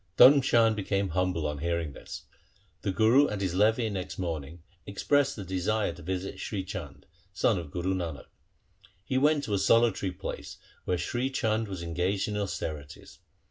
1 Dharm Chand became humble on hearing this. The Guru at his levee next morning expressed a desire to visit Sri Chand, son of Guru Nanak. He went to a solitary place where Sri Chand was en gaged in austerities.